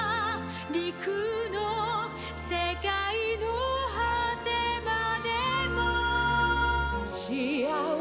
「陸の世界の果てまでも」